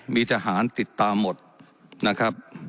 มีทหารติดตามหมดนะครับ